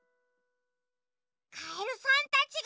カエルさんたちが。